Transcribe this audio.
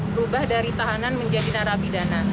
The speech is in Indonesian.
berubah dari tahanan menjadi narapidana